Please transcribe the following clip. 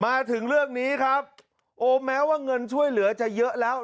มาถึงเรื่องนี้ครับโอ้แม้ว่าเงินช่วยเหลือจะเยอะแล้ว